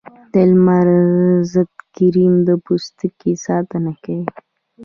د لمر ضد کریم د پوستکي ساتنه کوي